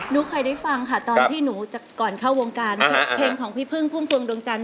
นู้นใครได้ฟังค่ะตอนที่หนูจะก่อนเข้าวงการเพลงของพี่เพลิงพรุ่งตรวงดวงจันทร์